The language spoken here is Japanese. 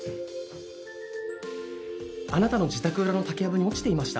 あなたの自宅裏の竹やぶに落ちていました。